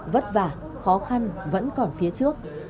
vất vả khó khăn vẫn còn phía trước